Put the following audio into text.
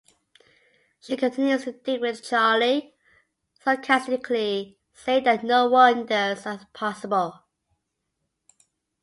She continues to dig into Charlie, sarcastically saying that no wonders are possible.